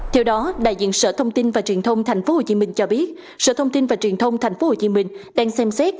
theo đó đại diện sở thông tin và truyền thông tp hcm cho biết sở thông tin và truyền thông tp hcm đang xem xét